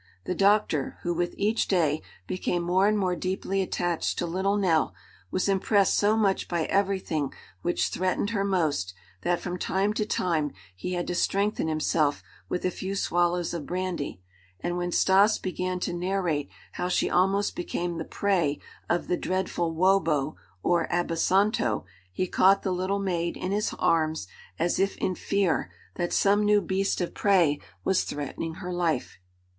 The doctor who, with each day, became more and more deeply attached to little Nell, was impressed so much by everything which threatened her most, that from time to time he had to strengthen himself with a few swallows of brandy, and when Stas began to narrate how she almost became the prey of the dreadful "wobo" or "abasanto," he caught the little maid in his arms as if in fear that some new beast of prey was threatening her life.